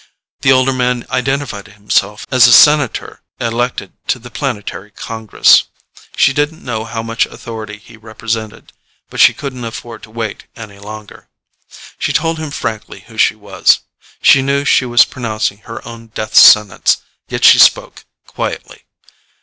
The older man identified himself as a senator elected to the planetary Congress. She didn't know how much authority he represented, but she couldn't afford to wait any longer. She told him frankly who she was. She knew she was pronouncing her own death sentence, yet she spoke quietly.